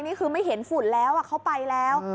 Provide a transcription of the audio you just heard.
นี่คือไม่เห็นฝุ่นแล้วเขาไปแล้ว